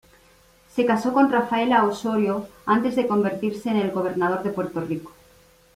Se casó con Rafaela Osorio antes de convertirse en gobernador de Puerto Rico.